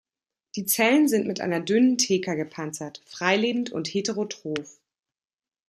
Die Zellen sind mit einer dünnen Theka gepanzert, freilebend und heterotroph.